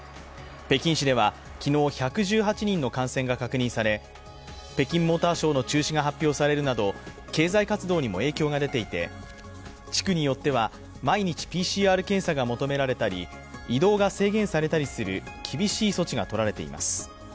北京市では昨日１１８人の感染が確認され北京モーターショーの中止が発表されるなど、経済活動にも影響が出ていて、地区によっては毎日ＰＣＲ検査が求められたり移動が制限されたりする厳しい措置が取られています。